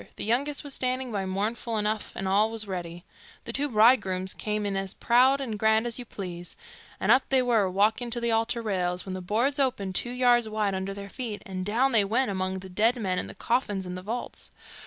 The youngest was standing by mournful enough, and all was ready. The two bridegrooms came in as proud and grand as you please, and up they were walking to the altar rails, when the boards opened two yards wide under their feet, and down they went among the dead men and the coffins in the vaults.